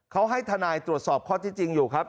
เขาให้ทนายตรวจสอบข้อที่จริงอยู่ครับ